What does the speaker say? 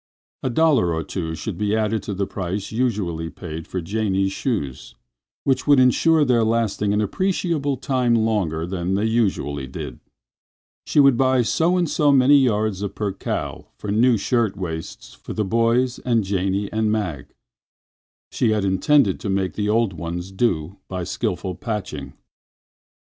A dollar or two should be added to the price usually paid for Janie's shoes, which would insure their lasting an appreciable time longer than they usually did. She would buy so and so many yards of percale for new shirt waists for the boys and Janie and Mag. She had intended to make the old ones do by skilful patching.